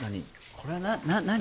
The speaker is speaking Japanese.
これは何？